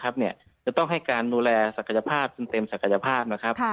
จะต้องให้การดูแลศักยภาพจนเต็มศักยภาพนะครับ